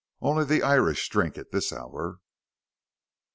Only the Irish drink at this hour."